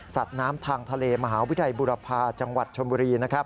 สัตว์น้ำทางทะเลมหาวิทยาลบุรพาจังหวัดชมบุรี